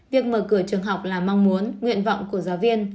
việc mở cửa trường học là mong muốn nguyện vọng của giáo viên